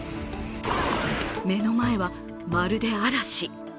目の前は、まるで嵐。